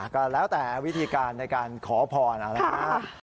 ก็แล้วแต่วิธีการในการขอพรนะครับ